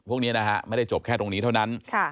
พวกนี้นะฮะไม่ได้จบแค่ตรงนี้เท่านั้น